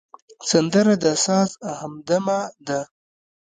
سندره د ساز همدمه ده